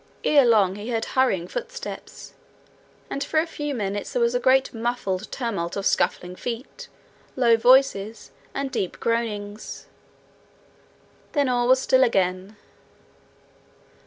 Ere long he heard hurrying footsteps, and for a few minutes there was a great muffled tumult of scuffling feet, low voices and deep groanings; then all was still again.